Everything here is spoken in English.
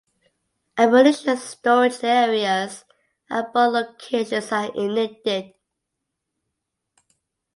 Ammunition storage areas at both locations are ignited.